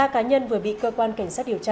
ba cá nhân vừa bị cơ quan cảnh sát điều tra